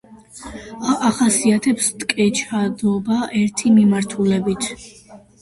ახასიათებს ტკეჩადობა ერთი მიმართულებით.